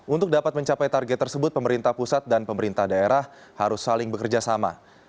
untuk dapat mencapai target tersebut pemerintah pusat dan pemerintah daerah harus saling bekerja sama